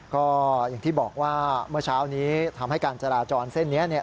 ก็อย่างที่บอกว่าเมื่อเช้านี้ทำให้การจราจรเส้นนี้เนี่ย